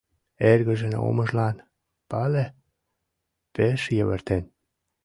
Эргыжын омыжлан, пале, пеш йывыртен.